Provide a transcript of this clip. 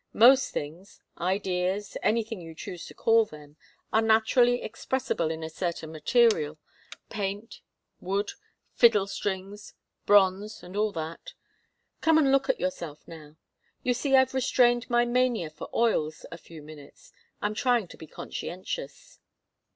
Most things ideas, anything you choose to call them are naturally expressible in a certain material paint, wood, fiddle strings, bronze and all that. Come and look at yourself now. You see I've restrained my mania for oils a few minutes. I'm trying to be conscientious."